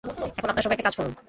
এখন আপনারা সবাই একটা কাজ করুন।